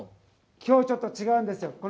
きょうは、ちょっと違うんですよ。